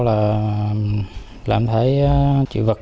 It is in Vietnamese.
là em thấy chị vực